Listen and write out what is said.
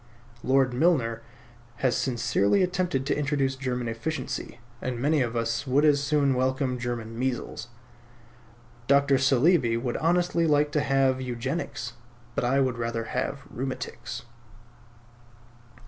Lord Milner has sincerely attempted to introduce German efficiency; and many of us would as soon welcome German measles. Dr. Saleeby would honestly like to have Eugenics; but I would rather have rheumatics.